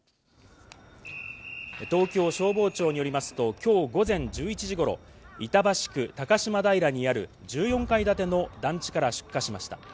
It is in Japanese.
東京消防庁によりますと今日午前１１時頃、板橋区高島平にある１４階建ての団地から出火しました。